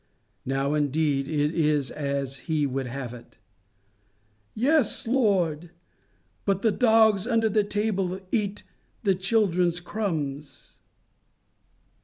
Now, indeed, it is as he would have it. "Yes, Lord; yet the dogs under the table eat of the children's crumbs."